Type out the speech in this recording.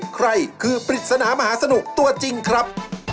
ใครคือปริศนามหาสนุกตัวจริงครับ